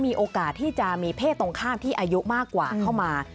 มีโอกาสที่จะมีเพศตรงข้ามที่อายุมากกว่าเข้ามา